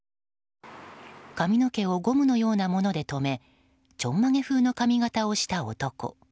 髪の毛をゴムのようなもので留めちょんまげ風の髪形をした男。